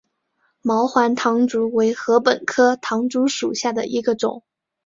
毛环唐竹为禾本科唐竹属下的一个种。